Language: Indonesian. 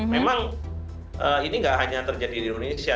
memang ini tidak hanya terjadi di indonesia